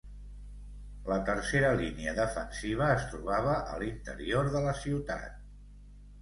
La tercera línia defensiva es trobava a l'interior de la ciutat.